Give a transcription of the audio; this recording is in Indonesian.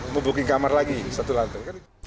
membooking kamar lagi satu lantai